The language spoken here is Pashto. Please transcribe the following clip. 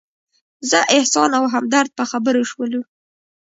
زه، احسان او همدرد په خبرو شولو.